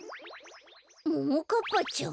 ももかっぱちゃん。